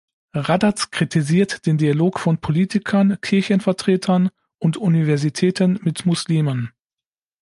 Raddatz kritisiert den Dialog von Politikern, Kirchenvertretern und Universitäten mit Muslimen.